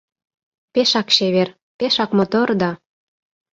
Пешак чевер, пешак мотор да